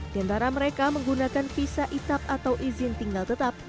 diantara mereka menggunakan visa itap atau izin tinggal tetap